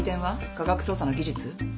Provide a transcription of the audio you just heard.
科学捜査の技術？